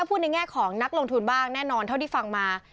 พูดในแง่ของนักลงทุนบ้างแน่นอนเท่าที่ฟังมา